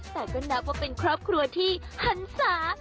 แต่ก็นับว่าเป็นครอบครัวที่หันศา